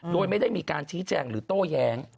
โดยไม่ได้มีการชี้แจงหรือโต้แย้ง